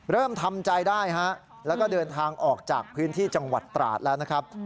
เริ่มทำใจได้ฮะแล้วก็เดินทางออกจากพื้นที่จังหวัดตราดแล้วนะครับ